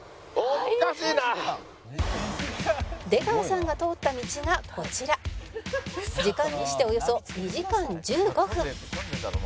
「出川さんが通った道がこちら」「時間にしておよそ２時間１５分」